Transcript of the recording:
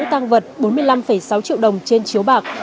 tăng vật bốn mươi năm sáu triệu đồng trên chiếu bạc